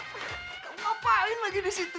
kamu ngapain lagi disitu